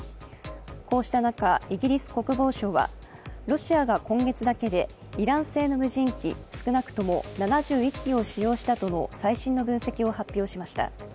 こうした中、イギリス国防省はロシアが今月だけでイラン製の無人機少なくとも７１機を使用したとの最新の分析を発表しました。